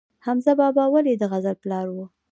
حمزه بابا ولې د غزل پلار و؟